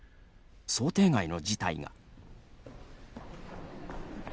想定外の事態が。